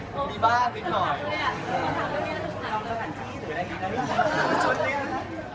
ก็มีบ้างนิดหน่อย